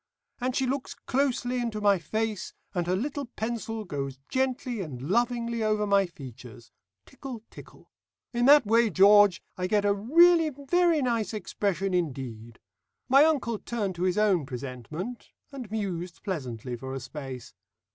And she looks closely into my face, and her little pencil goes gently and lovingly over my features. Tickle, tickle. In that way, George, I get a really very nice expression indeed." My uncle turned to his own presentment, and mused pleasantly for a space.